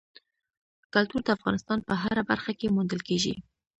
کلتور د افغانستان په هره برخه کې موندل کېږي.